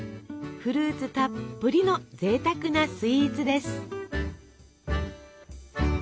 フルーツたっぷりのぜいたくなスイーツです！